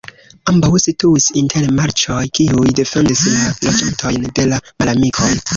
Ambaŭ situis inter marĉoj, kiuj defendis la loĝantojn de la malamikoj.